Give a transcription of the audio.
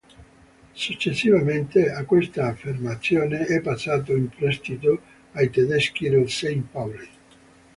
Successivamente a questa affermazione, è passato in prestito ai tedeschi del St. Pauli.